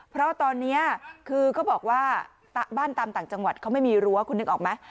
เพราะตอนนี้คือเขาบอกว่าบ้านตามต่างจังหวัดเขาไม่มีรั้วคุณนึกออกไหม